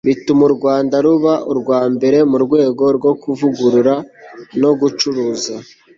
bituma u rwanda ruba urwa mbere mu rwego rwo kuvugurura no gucuruza